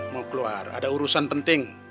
mau keluar ada urusan penting